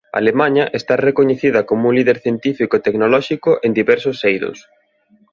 Alemaña está recoñecida como un líder científico e tecnolóxico en diversos eidos.